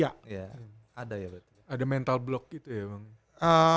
ada mental block gitu ya bang